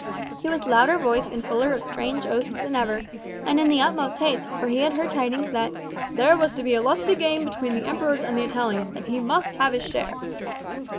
He was louder voiced and fuller of strange oaths than ever, and in the utmost haste, for he had heard tidings that "there was to be a lusty game between the Emperor and the Italians, and he must have his share."